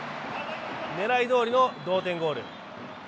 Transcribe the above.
狙いどおりの同点ゴール。